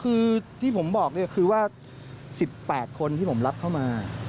คือที่ผมบอกเนี่ยคือว่า๑๘คนที่ผมรับเข้ามา